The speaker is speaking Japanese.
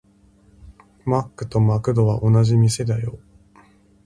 マックとマクドは同じ店だよ。